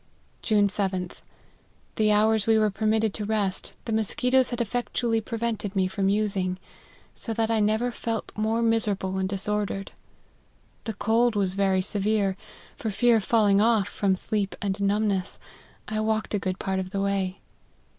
" June 7th. The hours we were permitted to rest, the musquitoes had effectually prevented me from using ; so that I never felt more miserable and disordered ; the cold was very severe ; for fear of falling off, from sleep and numbness, I walked a good part of the way.